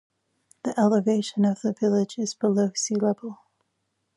The elevation of the village is below sea level.